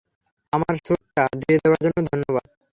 আমার স্যুটটা ধুয়ে দেবার জন্য ধন্যবাদ।